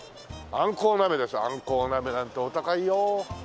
あんこう鍋なんてお高いよ。